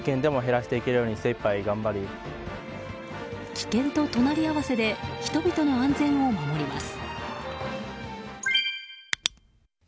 危険と隣り合わせで人々の安全を守ります。